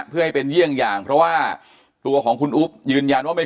เพื่อให้เป็นเยี่ยงอย่างเพราะว่าตัวของคุณอุ๊บยืนยันว่าไม่